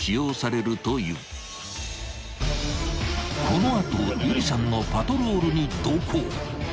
［この後有理さんのパトロールに同行］